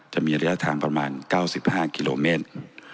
จะมีระยะทางประมาณ๙๕กิโลเมตร